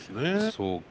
そうか。